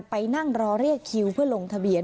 ไปนั่งรอเรียกคิวเพื่อลงทะเบียน